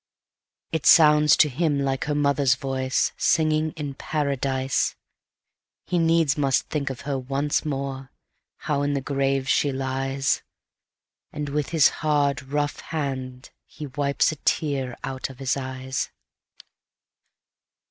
It sounds to him like her mother's voice, Singing in Paradise! He needs must think of her once more How in the grave she lies; And with his hard, rough hand he wipes A tear out of his eyes.